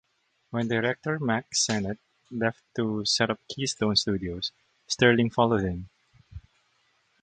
When director Mack Sennett left to set up Keystone Studios, Sterling followed him.